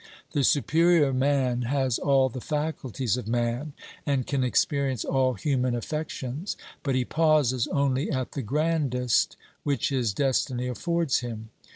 The superior man has all the faculties of man, and can experience all human affections, but he pauses only at the grandest which his destiny affords him.